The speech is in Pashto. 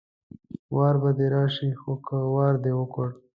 وار به دې راشي خو که وار دې وکړ